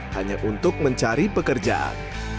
hanya untuk mencari pekerjaan